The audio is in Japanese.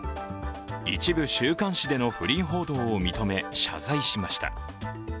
一部週刊誌での不倫報道を認め謝罪しました。